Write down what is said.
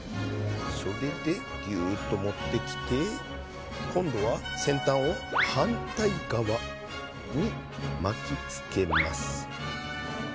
それでギュッと持ってきて今度は先端を反対側に巻きつけます。